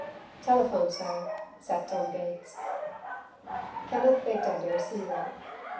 "Telephone, sir," said Tom Gates. Kenneth picked up the receiver.